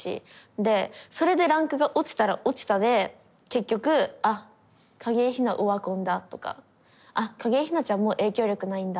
でそれでランクが落ちたら落ちたで結局「あ景井ひなオワコンだ」とか「あ景井ひなちゃんもう影響力ないんだ。